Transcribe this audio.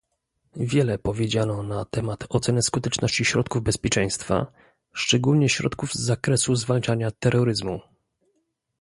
Wiele powiedziano na temat oceny skuteczności środków bezpieczeństwa, szczególnie środków z zakresu zwalczania terroryzmu